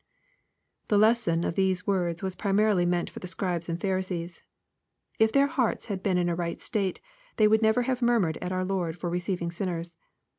The lesson of these words was primarily meant for the Scribes and Pharisees. If their hearts had been in a right state, they would never have murmured at our Lord for receiving sinners.